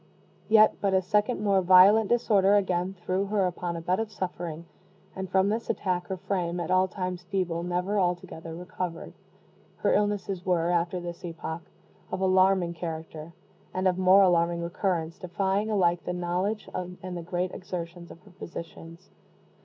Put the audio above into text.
Yet but a second more violent disorder again threw her upon a bed of suffering; and from this attack her frame, at all times feeble, never altogether recovered. Her illnesses were, after this epoch, of alarming character, and of more alarming recurrence, defying alike the knowledge and the great exertions of her physicians.